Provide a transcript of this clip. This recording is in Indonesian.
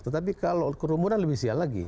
tetapi kalau kerumunan lebih sial lagi